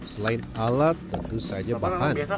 selain alat tentu saja bahan